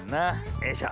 よいしょ。